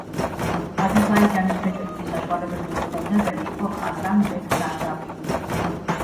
აზერბაიჯანის ბეჭდვითი საშუალებების ფუძემდებელი იყო ხასან ბეკ ზარდაბი.